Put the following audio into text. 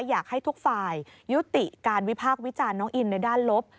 อยากให้ทุกฝ่ายยุติการวิพากษ์วิจารณ์น้องอินในด้านลบ